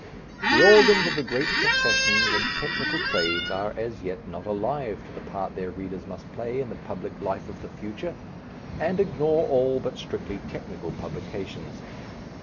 The organs of the great professions and technical trades are as yet not alive to the part their readers must play in the public life of the future, and ignore all but strictly technical publications.